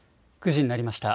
９時になりました。